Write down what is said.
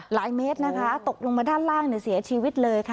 หลายเมตรนะคะตกลงมาด้านล่างเสียชีวิตเลยค่ะ